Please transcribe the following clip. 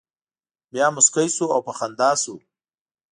بیا مسکی شو او په خندا شو.